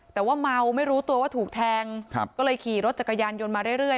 แต่ว่าเมาไม่รู้ตัวว่าถูกแทงก็เลยขี่รถจักรยานยนต์มาเรื่อย